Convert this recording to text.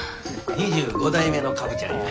２５代目のカブちゃんや。